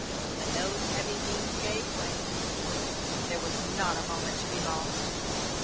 When those heavy beams gave way —! There was not a moment to be lost.